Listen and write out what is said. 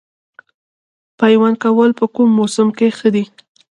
پیوند کول په کوم موسم کې ښه دي؟